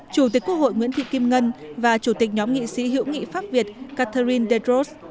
chủ tịch quốc hội nguyễn thị kim ngân và chủ tịch nhóm nghị sĩ hữu nghị pháp việt catherin deros